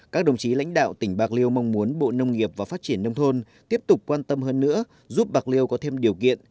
các đồng chí lãnh đạo tỉnh bạc liêu mong muốn bộ nông nghiệp và phát triển nông thôn tiếp tục quan tâm hơn nữa giúp bạc liêu có thêm điều kiện